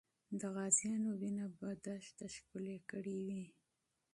د غازیانو وینه به دښته ښکلې کړې وي.